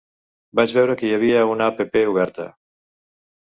Vaig veure que hi havia una app oberta.